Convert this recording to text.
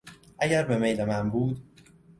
اگر به میل من بود